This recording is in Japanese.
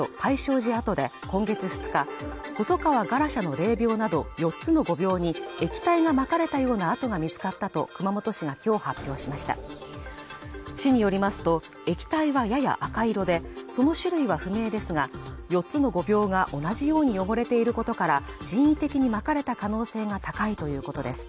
寺跡で今月２日細川ガラシャの霊廟など４つの御廟に液体がまかれたような跡が見つかったと熊本市がきょう発表しました市によりますと液体はやや赤色でその種類は不明ですが４つの御廟が同じように汚れていることから人為的に撒かれた可能性が高いということです